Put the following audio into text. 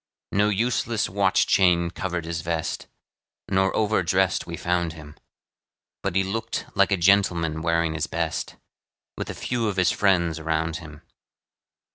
No useless watch chain covered his vest, Nor over dressed we found him; But he looked like a gentleman wearing his best, With a few of his friends around him.